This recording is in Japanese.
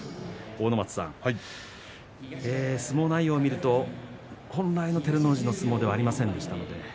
阿武松さん、相撲内容を見ると本来の照ノ富士の相撲ではありませんでした。